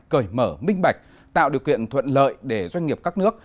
cởi mở minh bạch tạo điều kiện thuận lợi để doanh nghiệp các nước